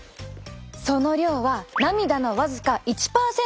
その量は涙の僅か１％未満。